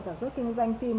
sản xuất kinh doanh phim